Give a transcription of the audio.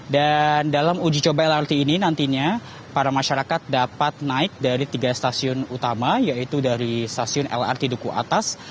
dan dalam uji coba lrt ini nantinya para masyarakat dapat naik dari tiga stasiun utama yaitu dari stasiun lrt duku atas